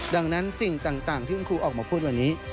ดังนั้นสิ่งต่างที่คุณครูออกมาพูดวันนี้